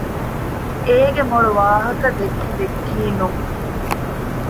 އޭގެ މޮޅު ވާހަކަ ދެއްކި ދެއްކީނުން